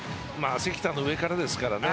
関田の上からですからね。